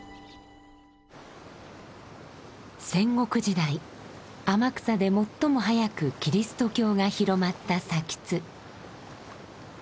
戦国時代天草で最も早くキリスト教が広まった津。